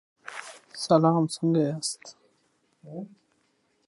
افغانستان د سیلابونو په اړه مشهور تاریخی روایتونه لري.